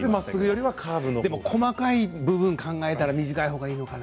でも細かい部分を考えたら短いほうがいいのかな。